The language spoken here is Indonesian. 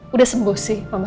udah sembuh sih mama